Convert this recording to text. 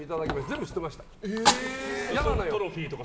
全部、捨てました。